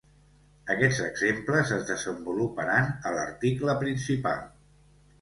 Aquests exemples es desenvoluparan a l'article principal.